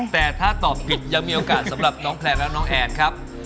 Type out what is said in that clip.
แต่ถ้าตอบผิดยังมีโอกาสสำหรับน้องแพลนและน้องแอนครับ